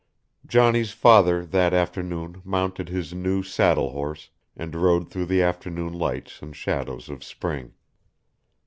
Johnny's father that afternoon mounted his new saddle horse and rode through the afternoon lights and shadows of spring.